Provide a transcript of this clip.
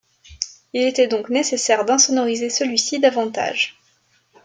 Il était donc nécessaire d'insonoriser celui-ci davantage.